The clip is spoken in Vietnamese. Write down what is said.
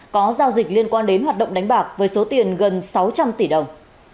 có giao dịch liên quan đến hoạt động đánh bạc với số tiền gần sáu trăm linh tỷ đồng